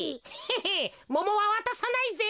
へっモモはわたさないぜ。